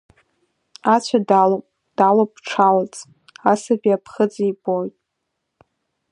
Ацәа далоуп, далоуп дшалац, асаби аԥхыӡ ибоит.